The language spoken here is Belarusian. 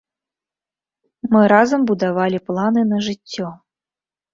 Мы разам будавалі планы на жыццё.